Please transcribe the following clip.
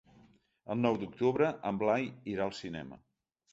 El nou d'octubre en Blai irà al cinema.